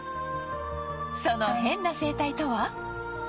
そのヘンな生態とは？